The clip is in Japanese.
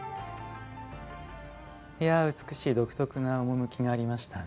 美しい独特な趣がありましたね。